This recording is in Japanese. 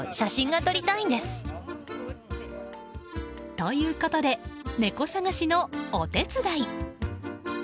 ということで猫探しのお手伝い。